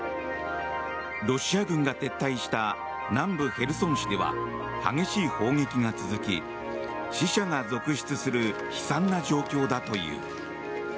ロシア軍が撤退した南部ヘルソン市では激しい砲撃が続き死者が続出する悲惨な状況だという。